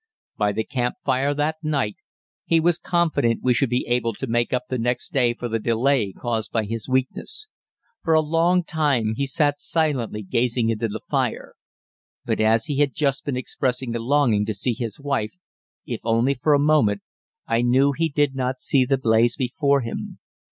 By the campfire that night he was confident we should be able to make up the next day for the delay caused by his weakness. For a long time he sat silently gazing into the fire, but as he had just been expressing a longing to see his wife, if only for a moment, I knew he did not see the blaze before him.